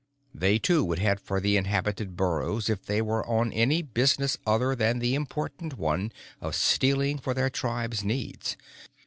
They too would head for the inhabited burrows if they were on any business other than the important one of stealing for their tribe's needs.